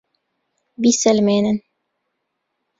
بیسەلمێنن!